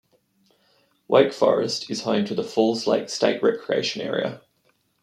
Wake Forest is home to the Falls Lake State Recreation Area.